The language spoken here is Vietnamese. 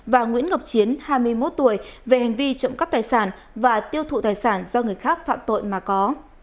và nguyễn ngọc chiến hai mươi một tuổi về hành vi trộm cắp tài sản và tiêu thụ tài sản do người khác phạm tội mà có